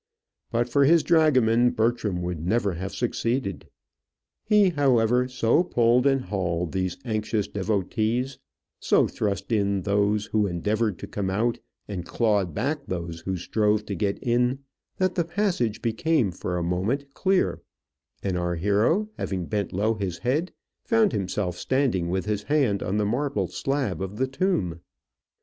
But for his dragoman, Bertram would never have succeeded. He, however, so pulled and hauled these anxious devotees, so thrust in those who endeavoured to come out, and clawed back those who strove to get in, that the passage became for a moment clear, and our hero, having bent low his head, found himself standing with his hand on the marble slab of the tomb.